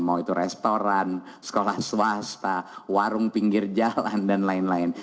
mau itu restoran sekolah swasta warung pinggir jalan dan lain lain